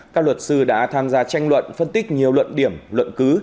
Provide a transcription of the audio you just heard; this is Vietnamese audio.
các luật sư đã tham gia tranh luận phân tích nhiều luận điểm luận cứ